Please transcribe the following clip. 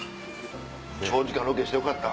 長時間ロケしてよかった！